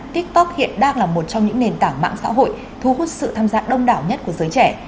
tiktok hiện đang là một trong những nền tảng mạng xã hội thu hút sự tham gia đông đảo nhất của giới trẻ